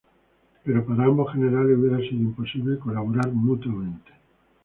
Pero para ambos generales hubiera sido imposible colaborar mutuamente.